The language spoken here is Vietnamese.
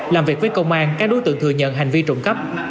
làm việc với công an các đối tượng thừa nhận hành vi trộm cắp